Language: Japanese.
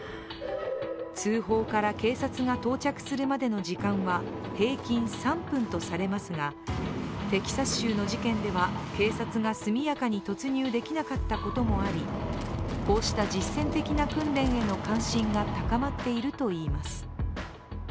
通報から警察が到着するまでの時間は平均３分とされますがテキサス州の事件では警察が速やかに突入できなかったこともあり、こうした実践的な訓練への関心が高まっているといいます。